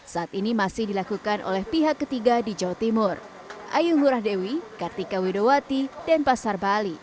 saat ini masih dilakukan oleh pihak ketiga di jawa timur